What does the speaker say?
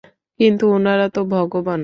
কিন্তু উনারা তো ভগবান।